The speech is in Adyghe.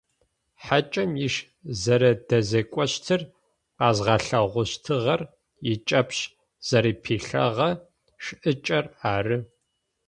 Хьакӏэм иш зэрэдэзекӏощтыр къэзгъэлъагъощтыгъэр икӏэпщ зэрэпилъэгъэ шӏыкӏэр ары.